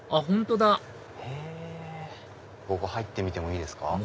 本当だ入ってみてもいいですか？